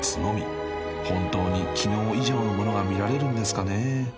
［本当に昨日以上のものが見られるんですかねぇ］